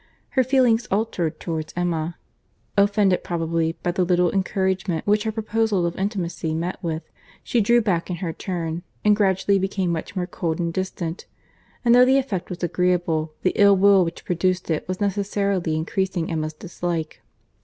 Her feelings altered towards Emma.—Offended, probably, by the little encouragement which her proposals of intimacy met with, she drew back in her turn and gradually became much more cold and distant; and though the effect was agreeable, the ill will which produced it was necessarily increasing Emma's dislike.